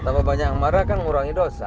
tambah banyak yang marah kan ngurangi dosa